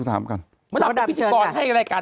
พี่หนุ่มก่อนสิแม่ถามไอ้พี่หนุ่มก็พิธีบรรณาให้แรกว่า